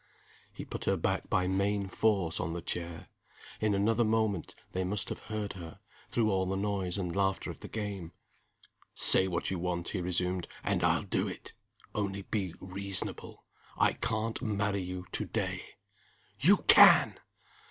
He put her back by main force on the chair. In another moment they must have heard her, through all the noise and laughter of the game. "Say what you want," he resumed, "and I'll do it. Only be reasonable. I can't marry you to day." "You can!"